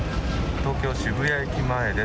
東京・渋谷駅前です。